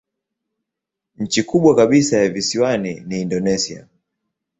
Nchi kubwa kabisa ya visiwani ni Indonesia.